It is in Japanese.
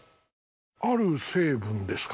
ある成分ですか？